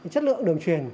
chất lượng đường truyền